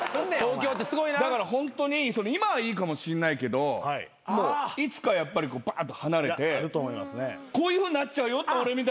だからホントに今はいいかもしんないけどいつかやっぱりバーッと離れてこういうふうになっちゃうよって俺みたいに。